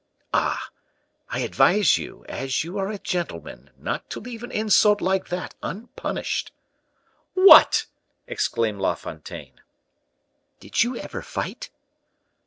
"Ah! I advise you, as you are a gentleman, not to leave an insult like that unpunished." "What!" exclaimed La Fontaine. "Did you ever fight?"